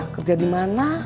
kerja di mana